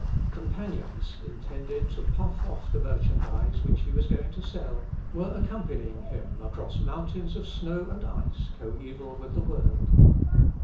Companions, intended to puff off the merchandise which he was going to sell, were accompanying him across mountains of snow and ice coeval with the world.